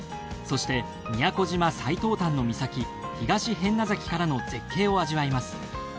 そして宮古島最東端の岬東平安名崎からの絶景を味わいます。